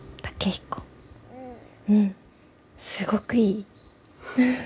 うんすごくいい！